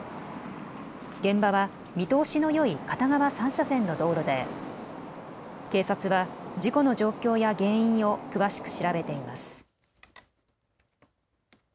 現場は見通しのよい片側３車線の道路で、警察は事故の状況や原因を詳しく調べています。